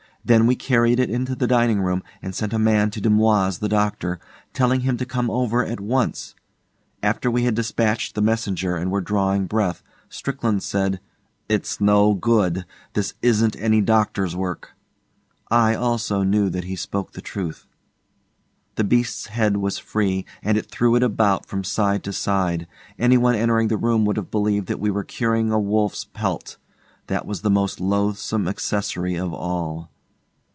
Then we carried it into the dining room, and sent a man to Dumoise, the doctor, telling him to come over at once. After we had despatched the messenger and were drawing breath, Strickland said, 'It's no good. This isn't any doctor's work.' I, also, knew that he spoke the truth. The beast's head was free, and it threw it about from side to side. Any one entering the room would have believed that we were curing a wolf's pelt. That was the most loathsome accessory of all.